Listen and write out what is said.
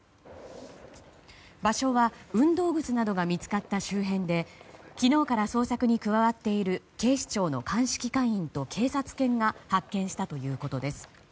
場所は運動靴などが見つかった周辺で昨日から捜索に加わっている警視庁の鑑識課員と警察犬が発見したということです。